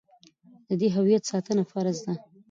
د دې هویت ساتنه فرض ده.